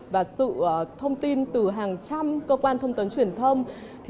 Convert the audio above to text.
và sự thông tin từ hàng trăm cơ quan thông tấn truyền thông